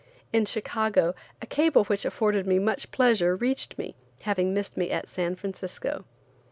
In Chicago, a cable which afforded me much pleasure reached me, having missed me at San Francisco.